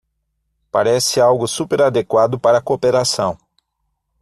Parece algo super adequado para cooperação